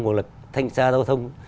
hoặc là thanh xa giao thông